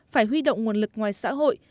phải huy động nguồn lực ngoài xã hội